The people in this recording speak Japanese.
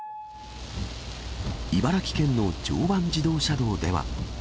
茨城県の常磐自動車道では。